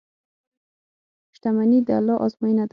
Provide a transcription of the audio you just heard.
• شتمني د الله ازموینه ده.